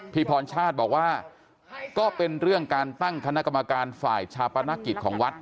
พรชาติบอกว่าก็เป็นเรื่องการตั้งคณะกรรมการฝ่ายชาปนกิจของวัด